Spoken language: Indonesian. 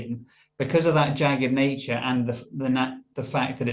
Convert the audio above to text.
apabila kami bisa melakukan kategori desktop baru di manager warteg training